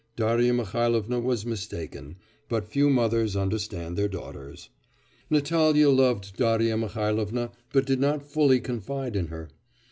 Darya Mihailovna was mistaken. But few mothers understand their daughters. Natalya loved Darya Mihailovna, but did not fully confide in her.